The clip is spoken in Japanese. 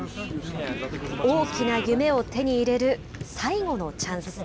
大きな夢を手に入れる最後のチャンス。